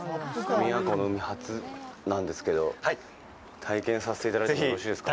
宮古の海、初なんですけど、体験させていただいてもよろしいですか。